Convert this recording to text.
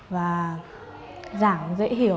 và giảng dễ hiểu